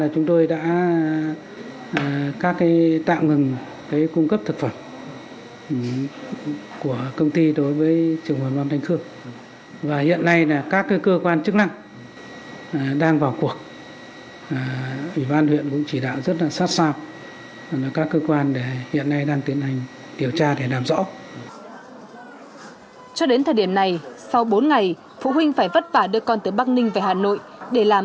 cho đến thời điểm này sau bốn ngày phụ huynh phải vất vả đưa con từ bắc ninh về hà nội để làm